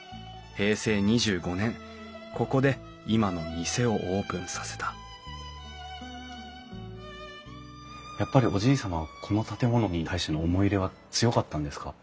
平成２５年ここで今の店をオープンさせたやっぱりおじい様はこの建物に対しての思い入れは強かったんですか？